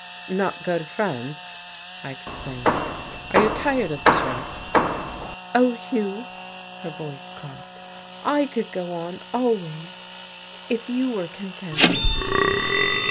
"Not go to France!" I exclaimed. "Are you tired of the trip?" "Oh, Hugh!" Her voice caught. "I could go on, always, if you were content."